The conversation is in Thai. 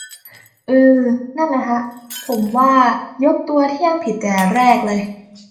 อือ นั่นแหละฮะ ผมว่ายกตัวเทียบผิดแต่แรกเลย